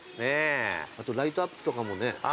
あとライトアップとかもね。